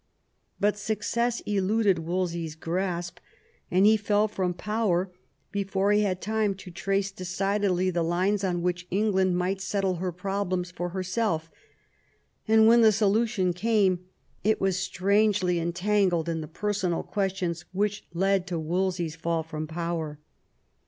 But success eluded Wolsey*s grasp, and he fell from power before he had time to trace decidedly the i> VIII WOLSEY'S DOMESTIC POLICY 127 lines on which England might settle her problems for herself ; and when the solution came it was strangely entangled in the personal questions which led to Wolsey's fall from power.